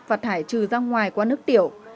và thải trừ ra ngoài qua nước tiểu